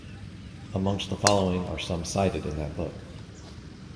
Amongst the following are some cited in that book.